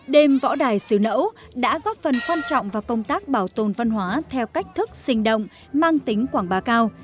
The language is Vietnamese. đêm võ đài xứ nẫu đã góp phần quan trọng vào công tác bảo tồn văn hóa theo cách thức sinh động mang tính quảng bá cao